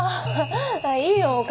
あいいよ